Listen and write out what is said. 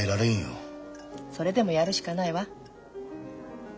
それでもやるしかないわ。